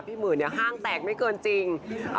หมื่นเนี่ยห้างแตกไม่เกินจริง